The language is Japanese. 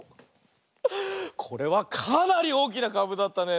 これはかなりおおきなかぶだったね。